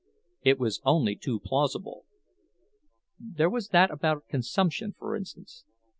It was only too plausible. There was that about consumption, for instance.